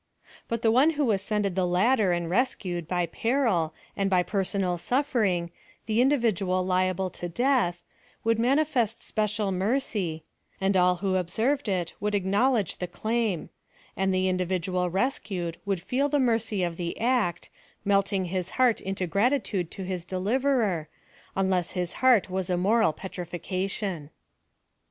But the one who ascended the ladder and rescued, by peril, and by personal suffering, the in dividual liable to death, would manifest special mercy, and all vvho observed it would acknowledge the claim ; and the individual rescued would feel the mercy of the act, melting liis heart into grati tude to his deliverer, unless his heart was a moral petrifaction.